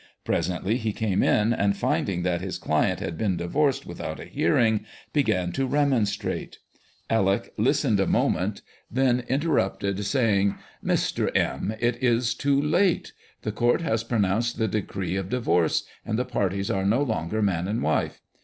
Presently he came in, and finding that lis client had been divorced without a hearing, )egan to remonstrate. Alec listened a moment, 430 [October 10, ALL THE YEAR ROUND. [Conducted by then interrupted, saying :" Mr. M., it is too late. The court has pronounced the decree of divorce, and the parties are no longer man and wife.